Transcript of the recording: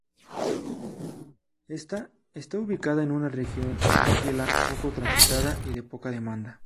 Esta está ubicada en una región, tranquila, poco transitada, y de poca demanda.